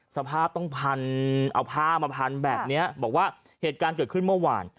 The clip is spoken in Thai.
สภาพต้องพันเอาผ้ามาพันแบบนี้บอกว่าเหตุการณ์เกิดขึ้นเมื่อวาน